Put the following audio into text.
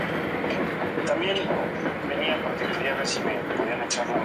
Localidad tipo: Hidalgo: El Salto.